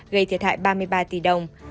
gây thiệt hại ba mươi ba tỷ đồng